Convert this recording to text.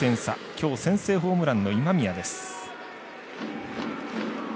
今日、先制ホームランの今宮です。